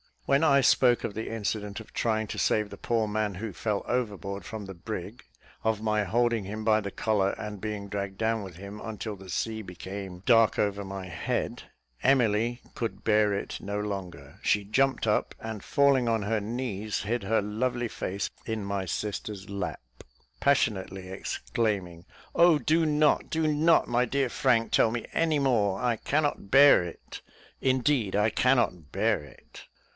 When I spoke of the incident of trying to save the poor man who fell overboard from the brig of my holding him by the collar, and being dragged down with him until the sea became dark over my head Emily could bear it no longer; she jumped up, and falling on her knees, hid her lovely face in my sister's lap, passionately exclaiming, "Oh, do not, do not, my dear Frank, tell me any more I cannot bear it indeed, I cannot bear it."